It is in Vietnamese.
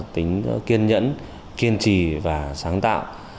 tính kiên nhẫn kiên trì và sáng tạo